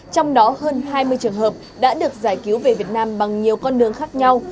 trong đó hơn hai mươi trường hợp đã được giải cứu về việt nam bằng nhiều con đường khác nhau